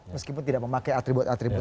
meskipun tidak memakai atribut atribut